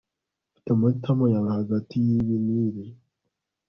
Ufite amahitamo yawe hagati yibi nibi